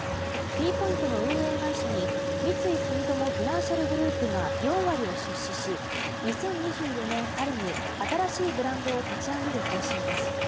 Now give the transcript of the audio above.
Ｔポイントの運営会社に三井住友フィナンシャルグループが４割を出資し、２０２４年春に新しいブランドを立ち上げる方針です。